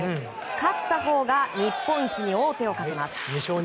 勝ったほうが日本一に王手をかけます。